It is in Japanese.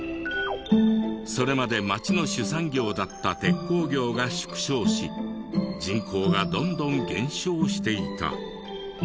それまで町の主産業だった鉄鋼業が縮小し人口がどんどん減少していた。